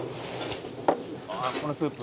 「ああこのスープ」